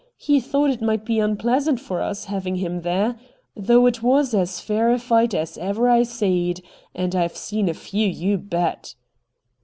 He thought it might be onpleasant for us, having him there. Though it was as fair a fight as ever I seed — and I've seen a few, you bet.'